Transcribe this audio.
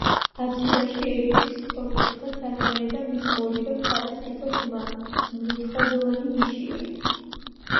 აფსიდაში ერთი სწორკუთხა სარკმელი და მის ორივე მხარეს თითო ღრმა, მრუდხაზოვანი ნიშია.